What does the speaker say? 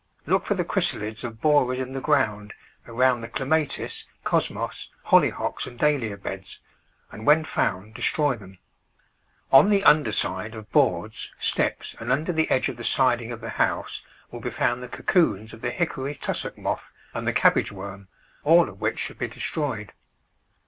Look for the chrysalids of borers in the ground around the Clematis, Cosmos, Holly 203 Digitized by Google 204 The Flower Garden [Chapter hocks, and Dahlia beds, and when found destroy them. On the under side of boards, steps, and under the edge of the siding of the house will be found the cocoons of the hickory tussock moth and the cabbage worm, all of which should be destroyed.